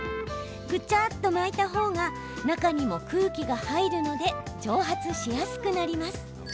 ぐちゃっと巻いたほうが中にも空気が入るので蒸発しやすくなります。